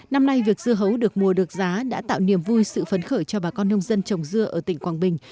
năm nay việc dưa hấu được mua được giá đã tạo niềm vui sự phấn khởi cho bà con nông dân trồng dưa ở tỉnh quảng bình